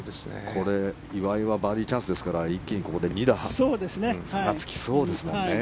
これ、岩井はバーディーチャンスですから一気にここで２打差がつきそうですよね。